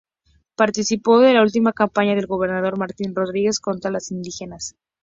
Participó de la última campaña del gobernador Martín Rodríguez contra los indígenas.